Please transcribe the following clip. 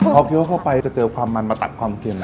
พอเคี้ยวเข้าไปจะเจอความมันมาตัดความเค็ม